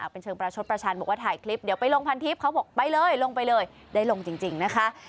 เป็นเชิงประชดประชันบอกว่าถ่ายคลิปเดี๋ยวไปลงพันทิพย์เขาบอกไปเลยลงไปเลยได้ลงจริงนะคะ